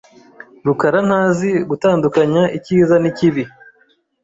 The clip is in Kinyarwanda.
rukarantazi gutandukanya icyiza n'ikibi.